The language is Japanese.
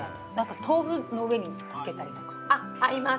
豆腐の上につけたりとかあっ合います